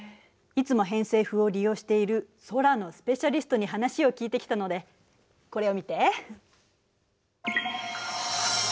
いつも偏西風を利用している空のスペシャリストに話を聞いてきたのでこれを見て。